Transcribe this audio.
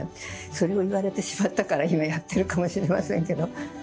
それを言われてしまったから今やってるかもしれませんけど。